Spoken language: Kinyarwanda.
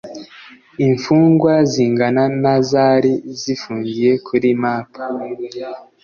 imfungwa zingana na zari zifungiye kuri map